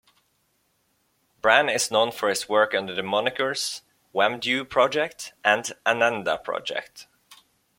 Brann is known for his work under the monikers Wamdue Project and Ananda Project.